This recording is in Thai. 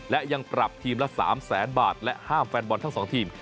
และยังปรับทีมละ๓แสนบาทและห้ามแฟนบอลทั้ง๒ทีม